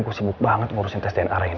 aku sibuk banget ngurusin tes dna rena